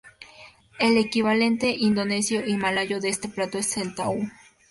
El equivalente indonesio y malayo de este plato es el tahu.